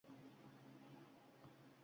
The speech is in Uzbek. Monitoringlar o‘tkazilmasligi natijasida